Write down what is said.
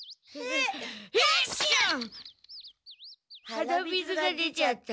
鼻水が出ちゃった。